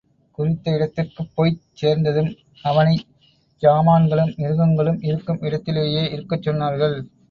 குறித்த இடத்திற்குப் போய்ச் சேர்ந்ததும் அவனைச் சாமான்களும் மிருகங்களும் இருக்கும் இடத்திலேயே இருக்கச் சொன்னார்கள்.